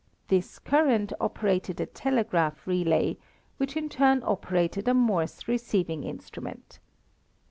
This current operated a telegraph relay which in turn operated a Morse receiving instrument.